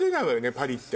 パリって。